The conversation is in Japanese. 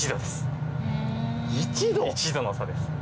１度の差です。